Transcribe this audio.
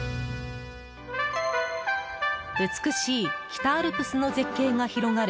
美しい北アルプスの絶景が広がる